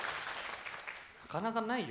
なかなかないよ。